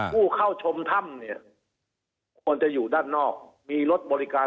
ผู้เข้าชมถ้ำเนี่ยควรจะอยู่ด้านนอกมีรถบริการ